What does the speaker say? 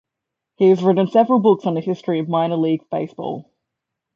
He has written several books on the history of minor league baseball.